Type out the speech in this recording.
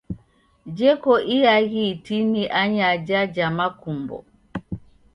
Jeko iaghi itini anyaja ja makumbo.